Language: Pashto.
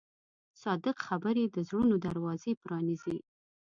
صادق خبرې د زړونو دروازې پرانیزي.